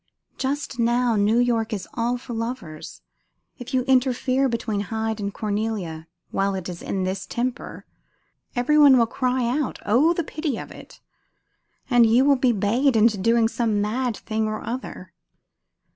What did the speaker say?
Just now New York is all for lovers. If you interfere between Hyde and Cornelia while it is in this temper, every one will cry out, 'Oh, the pity of it!' and you will be bayed into doing some mad thing or other.